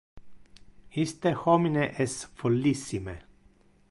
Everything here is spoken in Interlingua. Iste homine es follissime!